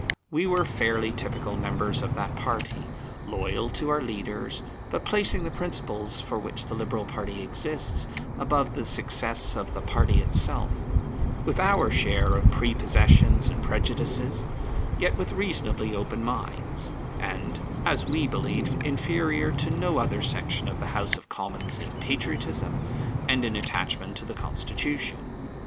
We were fairly typical members of that party, loyal to our leaders, but placing the principles for which the Liberal party exists above the success of the party itself; with our share of prepossessions and prejudices, yet with reasonably open minds, and (as we believed) inferior to no other section of the House of Commons in patriotism and in attachment to the Constitution.